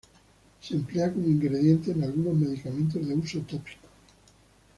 Se emplea como ingrediente en algunos medicamentos de uso tópico.